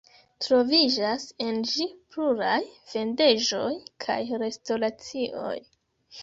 Troviĝas en ĝi pluraj vendejoj kaj restoracioj.